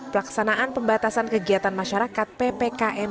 pelaksanaan pembatasan kegiatan masyarakat ppkm